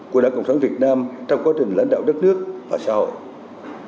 của đảng cộng sản việt nam trong quá trình lãnh đạo đất nước và xã hội